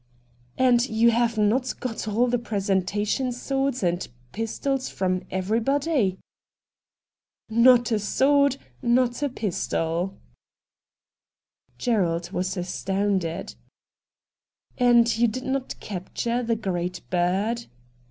' And you have not got all the presenta tion swords and pistols from everybody ?' a2 228 RED DIAMONDS ' Not a sword — not a pistol.' Gerald was astounded. ' And you did not capture the great bird